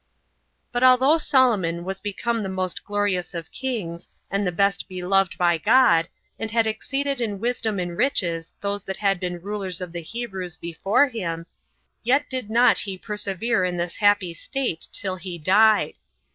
5. But although Solomon was become the most glorious of kings, and the best beloved by God, and had exceeded in wisdom and riches those that had been rulers of the Hebrews before him, yet did not he persevere in this happy state till he died.